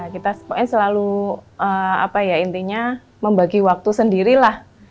kita selalu membagi waktu sendirilah